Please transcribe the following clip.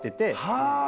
はあ！